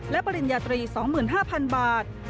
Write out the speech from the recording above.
และปริญญาตรี๒๕๐๐๐บาท